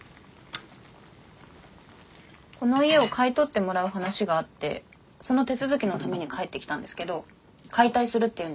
この家を買い取ってもらう話があってその手続きのために帰ってきたんですけど解体するっていうんです。